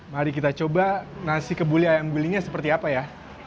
mari kita coba nasi kebuli ayam gulinya seperti apa ya